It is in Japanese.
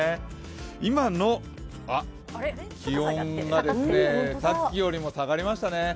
今の気温が、さっきよりも下がりましたね。